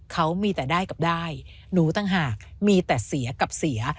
เขามีแต่ได้กับได้หนูต่างหากมีแต่เสียกับเสีย